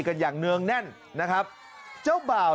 กันอย่างเนื่องแน่นนะครับเจ้าบ่าว